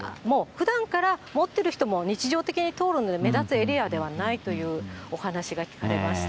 ふだんから持ってる人も日常的に通るので目立つエリアではないというお話が聞かれました。